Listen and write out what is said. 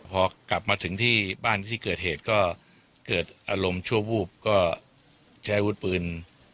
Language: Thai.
พอกลับมาถึงที่บ้านที่เกิดเหตุก็เกิดอารมณ์ชั่ววูบก็ใช้อาวุธปืน